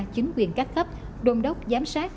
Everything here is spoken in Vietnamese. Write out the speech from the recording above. chính quyền các khắp đồn đốc giám sát